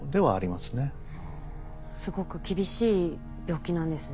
すごく厳しい病気なんですね。